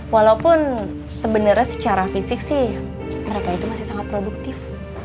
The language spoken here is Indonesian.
walaupun sebenarnya secara fisik sih mereka itu masih sangat produktif